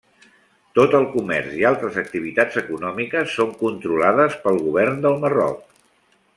Tot el comerç i altres activitats econòmiques són controlades pel govern del Marroc.